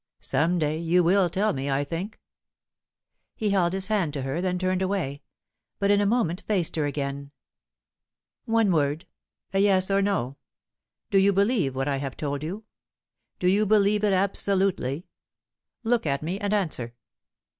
Some day you will tell me, I think." He held his hand to her, then turned away; but in a moment faced her again. "One word a yes or no. Do you believe what I have told you? Do you believe it absolutely? Look at me, and answer."